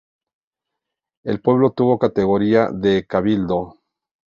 El pueblo tuvo categoría de cabildo.